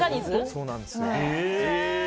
そうなんですよ。